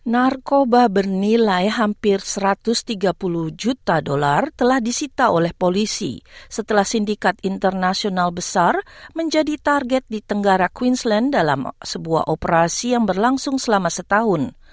narkoba bernilai hampir satu ratus tiga puluh juta dolar telah disita oleh polisi setelah sindikat internasional besar menjadi target di tenggara queensland dalam sebuah operasi yang berlangsung selama setahun